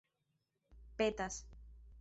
petas